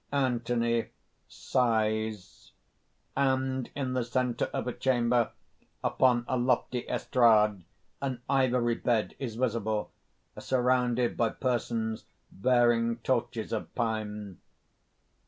ANTHONY (_And in the centre of a chamber, upon a lofty estrade, an ivory bed is visible, surrounded by persons bearing torches of pine.